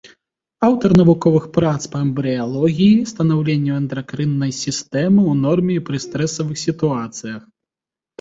Аўтар навуковых прац па эмбрыялогіі, станаўленню эндакрыннай сістэмы ў норме і пры стрэсавых сітуацыях.